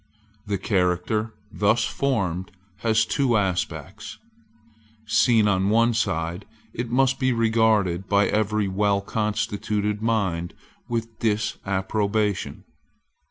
The character, thus formed, has two aspects. Seen on one side, it must be regarded by every well constituted mind with disapprobation.